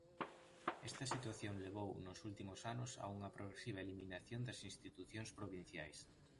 Esta situación levou nos últimos anos a unha progresiva eliminación das institucións provinciais.